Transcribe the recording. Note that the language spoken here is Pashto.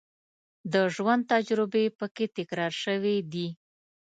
د ژوند تجربې په کې تکرار شوې دي.